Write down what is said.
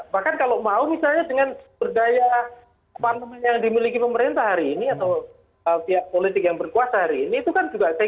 bahkan kalau mau misalnya dengan berdaya amandemen yang dimiliki pemerintah hari ini atau pihak politik yang berkuasa hari ini